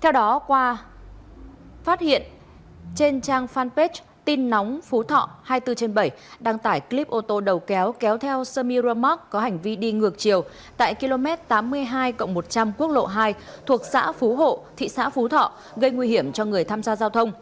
theo đó qua phát hiện trên trang fanpage tin nóng phú thọ hai mươi bốn trên bảy đăng tải clip ô tô đầu kéo kéo theo samira mark có hành vi đi ngược chiều tại km tám mươi hai một trăm linh quốc lộ hai thuộc xã phú hộ thị xã phú thọ gây nguy hiểm cho người tham gia giao thông